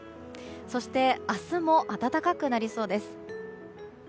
そして明日も暖かくなりそうです。